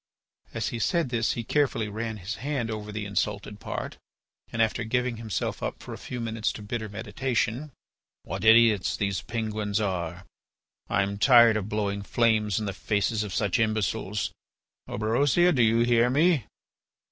As he said this he carefully ran his hand over the insulted part, and, after giving himself up for a few moments to bitter meditation: "What idiots those Penguins are! I am tired of blowing flames in the faces of such imbeciles. Orberosia, do you hear me?"